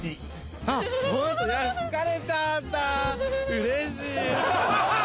うれしい！